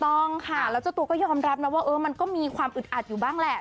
ต้องค่ะแล้วเจ้าตัวก็ยอมรับนะว่ามันก็มีความอึดอัดอยู่บ้างแหละ